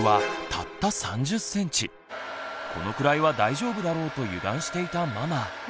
このくらいは大丈夫だろうと油断していたママ。